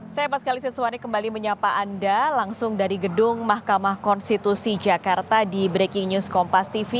saya pas kali siswani kembali menyapa anda langsung dari gedung mahkamah konstitusi jakarta di breaking news kompas tv